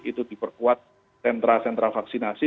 itu diperkuat sentra sentra vaksinasi